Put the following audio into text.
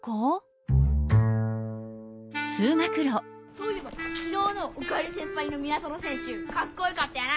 そういえばきのうの「おかえり先輩」の宮園せんしゅかっこよかったよな！